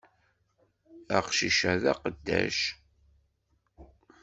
Aqcic-a d aqeddac!